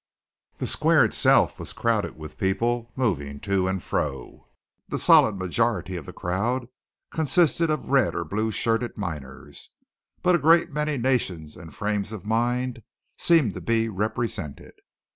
The square itself was crowded with people moving to and fro. The solid majority of the crowd consisted of red or blue shirted miners; but a great many nations and frames of minds seemed to be represented.